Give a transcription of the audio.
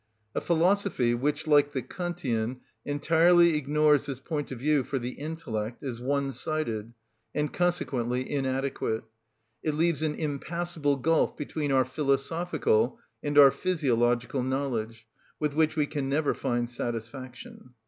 A philosophy which, like the Kantian, entirely ignores this point of view for the intellect is one‐sided, and consequently inadequate. It leaves an impassable gulf between our philosophical and our physiological knowledge, with which we can never find satisfaction.